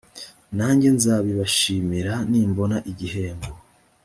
nanjye nzabibashimira nimbona igihembo